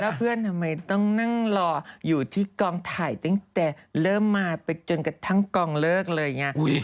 เพื่อนทำไมต้องนั่งรออยู่ที่กองถ่ายตั้งแต่เริ่มมาไปจนกระทั่งกองเลิกเลยไง